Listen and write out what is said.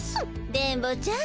電ボちゃん